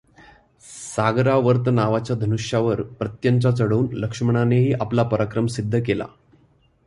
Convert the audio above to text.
सागरावर्त नावाच्या धनुष्यावर प्रत्यंचा चढवून लक्ष्मणानेही आपला पराक्रम सिद्ध केला.